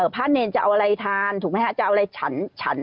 พระเนรจะเอาอะไรทานจะเอาอะไรฉัน